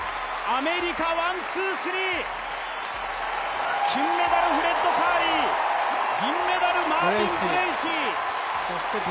アメリカ、ワン・ツー・スリー金メダル、フレッド・カーリー、銀メダル、マービン・ブレーシー